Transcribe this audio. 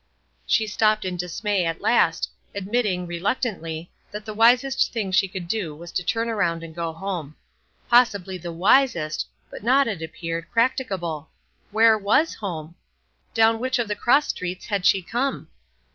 She stopped in dismay at last, admitting, reluctantly, that the wisest thing she could do was to turn around and go home. Possibly the wisest, but not, it appeared, practicable. Where was home? Down which of the cross streets had she come?